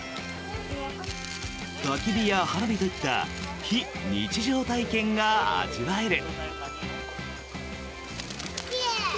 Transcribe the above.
たき火や花火といった非日常体験が味わえる。